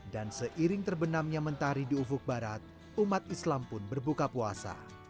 dan seiring terbenamnya mentahri di ufuk barat umat islam pun berbuka puasa